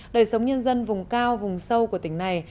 đời sống nhân dân vùng cao vùng sâu của tỉnh này